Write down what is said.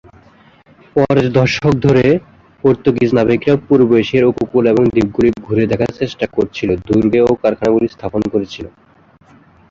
পরের দশক ধরে, পর্তুগিজ নাবিকরা পূর্ব এশিয়ার উপকূল এবং দ্বীপগুলি ঘুরে দেখার চেষ্টা করছিল, দুর্গে ও কারখানাগুলি স্থাপন করেছিল।